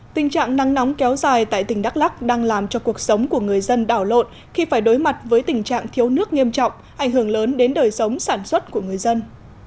tình trạng nắng nóng kéo dài tại tỉnh đắk lắc đang làm cho cuộc sống của người dân đảo lộn khi phải đối mặt với tình trạng thiếu nước nghiêm trọng ảnh hưởng lớn đến đời sống sản xuất của người dân